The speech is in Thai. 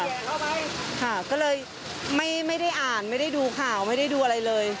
ค่ะก็เลยไม่ไม่ได้อ่านไม่ได้ดูข่าวไม่ได้ดูอะไรเลย